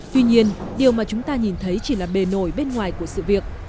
tuy nhiên điều mà chúng ta nhìn thấy chỉ là bề nổi bên ngoài của sự việc